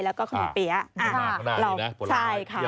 แล้วก็ขนมเปี๊ยะ